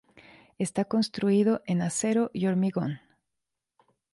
Está construido en acero y hormigón.